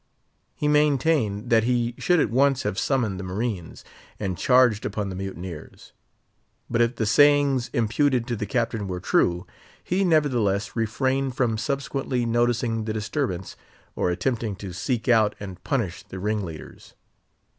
He maintained that he should at once have summoned the marines, and charged upon the "mutineers." But if the sayings imputed to the Captain were true, he nevertheless refrained from subsequently noticing the disturbance, or attempting to seek out and punish the ringleaders.